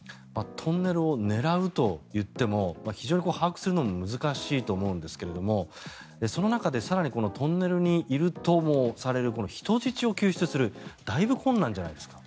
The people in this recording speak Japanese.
トンネルを狙うといっても非常に把握するのも難しいと思うんですがその中で更にこのトンネルにいるとされる人質を救出するだいぶ困難じゃないですか？